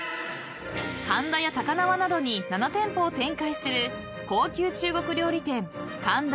［神田や高輪などに７店舗を展開する高級中国料理店神田雲林］